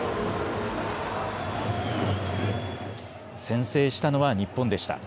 先制したのは日本でした。